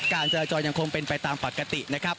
การจราจรยังคงเป็นไปตามปกตินะครับ